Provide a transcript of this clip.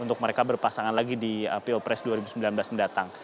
untuk mereka berpasangan lagi di pilpres dua ribu sembilan belas mendatang